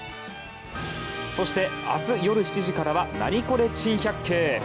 そして、明日夜７時からは「ナニコレ珍百景」！